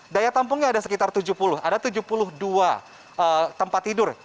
daya tampungnya ada sekitar tujuh puluh ada tujuh puluh dua tempat tidur